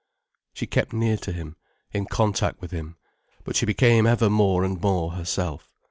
She kept near to him, in contact with him, but she became ever more and more herself.